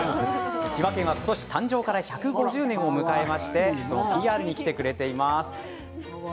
千葉県は今年、誕生から１５０年を迎えましてＰＲに来てくれています。